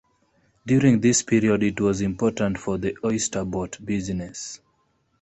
During this period it was important for the oyster boat business.